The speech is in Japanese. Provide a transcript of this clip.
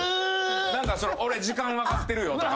何か「俺時間分かってるよ」とか。